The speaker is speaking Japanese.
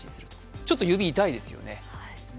ちょっと指、痛いですよね。